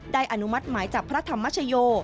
อนุมัติหมายจับพระธรรมชโย